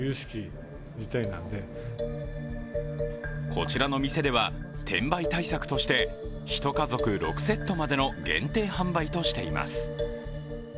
こちらの店では転売対策として１家族６セットまでの限定販売としています。